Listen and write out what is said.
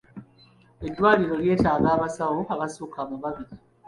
Eddwaliro lyetaaga abasawo abasukka mu babiri.